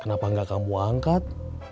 kenapa gak kamu angkat